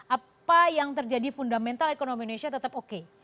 apa yang terjadi fundamental ekonomi indonesia tetap oke